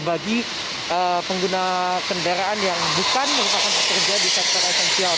bagi pengguna kendaraan yang bukan merupakan pekerja di sektor esensial